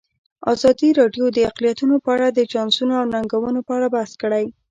ازادي راډیو د اقلیتونه په اړه د چانسونو او ننګونو په اړه بحث کړی.